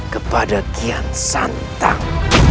kepada kian santang